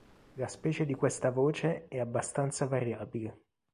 La specie di questa voce è abbastanza variabile.